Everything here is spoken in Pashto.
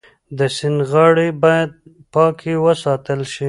د سیند غاړې باید پاکې وساتل شي.